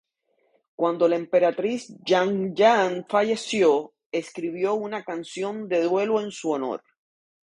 Cuando la Emperatriz Yang Yan falleció, escribió una canción de duelo en su honor.